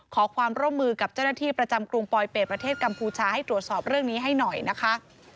ขอความร่วมมือกับเจ้าหน้าที่ประจำกรุงปลอยเป็ดประเทศกัมพูชาให้ตรวจสอบเรื่องนี้ให้หน่อยนะคะ